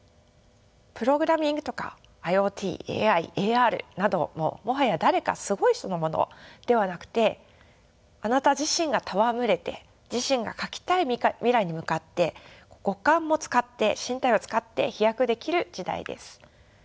プログラミングとかＩｏＴＡＩＡＲなどももはや誰かすごい人のものではなくてあなた自身が戯れて自身が描きたい未来に向かって五感も使って身体を使って飛躍できる時代です。